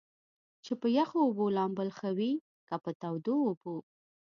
چې پۀ يخو اوبو لامبل ښۀ وي کۀ پۀ تودو اوبو ؟